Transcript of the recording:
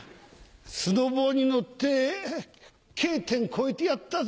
スノボーに乗ってＫ点越えてやったぜ。